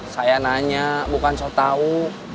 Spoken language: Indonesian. saya nanya bukan sotau